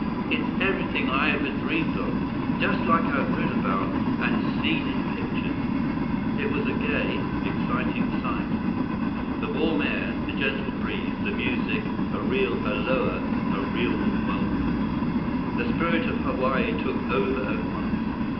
"It's everything I ever dreamed of! Just like I've read about and seen in pictures." It was a gay, exciting sight. The warm air, the gentle breeze, the music—a real Aloha, a real welcome. The spirit of Hawaii took over at once.